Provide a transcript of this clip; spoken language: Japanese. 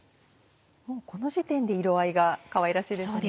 もうこの時点で色合いがかわいらしいですね。